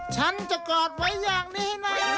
ฉันจะกอดไว้อย่างนี้นะ